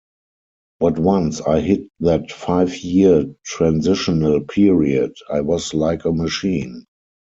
But once I hit that five-year transitional period, I was like a machine.